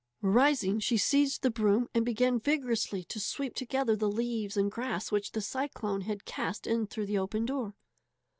Rising, she seized the broom and began vigorously to sweep together the leaves and grass which the cyclone had cast in through the open door.